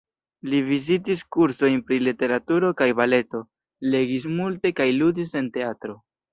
Li vizitis kursojn pri literaturo kaj baleto, legis multe kaj ludis en teatro.